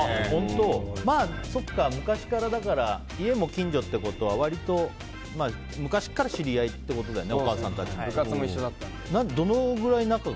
そうか、昔から家も近所ってことは割と昔から知り合いってことだよね